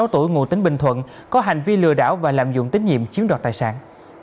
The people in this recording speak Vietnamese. bốn mươi sáu tuổi nguồn tính bình thuận có hành vi lừa đảo và lạm dụng tín nhiệm chiếm đoạt tài sản